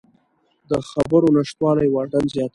د خبرو نشتوالی واټن زیاتوي